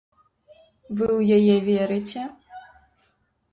Вы ў яе верыце?